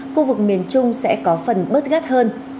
khu vực miền trung sẽ có phần bớt gắt hơn